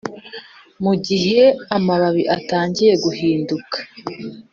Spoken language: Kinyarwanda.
mugihe amababi atangiye guhinduka